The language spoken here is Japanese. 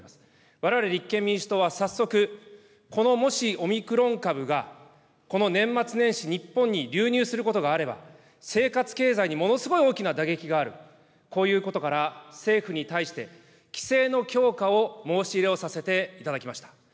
われわれ立憲民主党は早速、このもしオミクロン株がこの年末年始、日本に流入することがあれば、生活、経済にものすごく大きな打撃がある、こういうことから、政府に対して規制の強化を申し入れをさせていただきました。